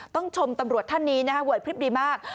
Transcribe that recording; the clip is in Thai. ตำรวจท่านนี้เวิร์ดพลิปดีมาก